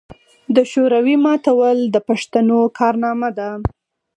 د شوروي ماتول د پښتنو کارنامه ده.